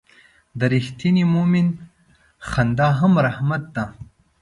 د رښتیني مؤمن خندا هم رحمت ده.